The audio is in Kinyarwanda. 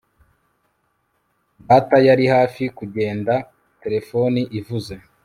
t] [t] data yari hafi kugenda, telefone ivuze